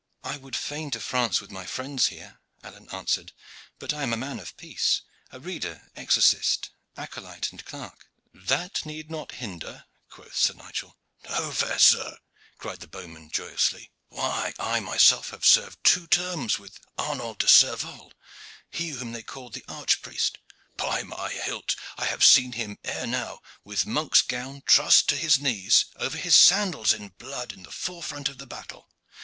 "I would fain to France with my friends here," Alleyne answered; "but I am a man of peace a reader, exorcist, acolyte, and clerk." "That need not hinder," quoth Sir Nigel. "No, fair sir," cried the bowman joyously. "Why, I myself have served two terms with Arnold de Cervolles, he whom they called the archpriest. By my hilt! I have seen him ere now, with monk's gown trussed to his knees, over his sandals in blood in the fore front of the battle.